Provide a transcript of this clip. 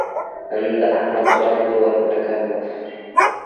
نن د احمد ځوان ورور په ټکر مړ شو.